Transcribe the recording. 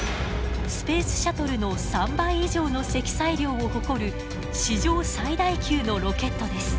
スペースシャトルの３倍以上の積載量を誇る史上最大級のロケットです。